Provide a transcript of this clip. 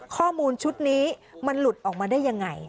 ข้อมูลชุดนี้มันหลุดออกมาได้ยังไง